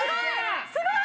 すごい！